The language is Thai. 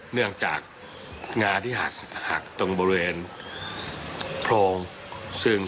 เนื่องจากงาที่หักหักตรงบริเวณโพรงซึ่ง